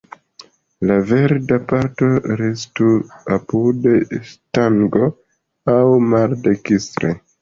La verda parto restu apud stango, aŭ maldekstre.